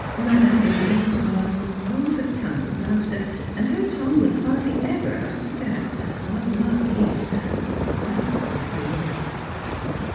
Mme. de Vermandoise was overcome with laughter, and her tongue was hardly ever out of her gap, while the Marquis sat, white with fury.